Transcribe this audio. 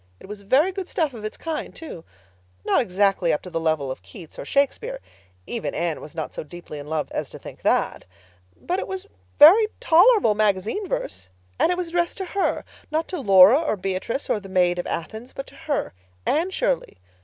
It was very good stuff of its kind, too. Not exactly up to the level of Keats or Shakespeare—even Anne was not so deeply in love as to think that. But it was very tolerable magazine verse. And it was addressed to her—not to Laura or Beatrice or the Maid of Athens, but to her, Anne Shirley.